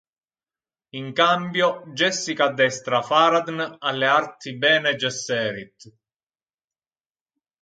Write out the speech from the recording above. In cambio, Jessica addestra Farad'n alle arti Bene Gesserit.